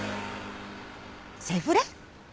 セフレ！？